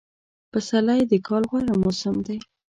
پسرلی دکال غوره موسم دی